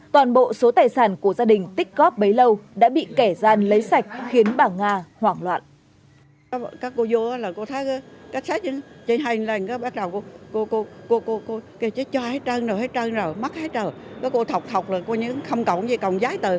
toàn bộ số tài sản của gia đình tích góp bấy lâu đã bị kẻ gian lấy sạch khiến bà nga hoảng loạn